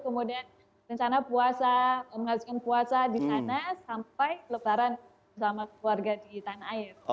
kemudian rencana puasa menghasilkan puasa di sana sampai lebaran bersama keluarga di tanah air